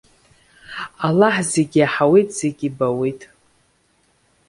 Аллаҳ зегьы иаҳауеит, зегьы ибауеит.